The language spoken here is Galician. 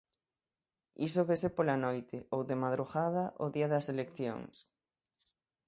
Iso vese pola noite, ou de madrugada, o día das eleccións.